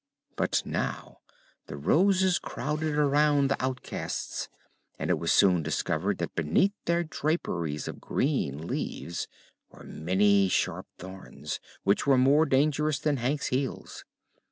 But now the Roses crowded around the outcasts and it was soon discovered that beneath their draperies of green leaves were many sharp thorns which were more dangerous than Hank's heels.